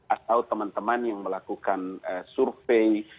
atau teman teman yang melakukan survei